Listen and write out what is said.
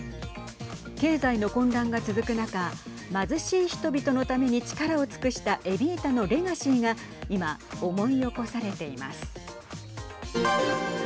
経済の混乱が続く中貧しい人々のために力を尽くしたエビータのレガシーが今、思い起こされています。